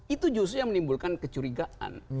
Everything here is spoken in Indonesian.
itu justru yang menimbulkan kecurigaan